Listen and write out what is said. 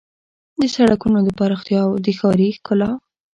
د سړکونو د پراختیا او د ښاري ښکلا